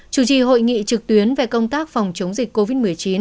chủ trì hội nghị trực tuyến về công tác phòng chống dịch covid một mươi chín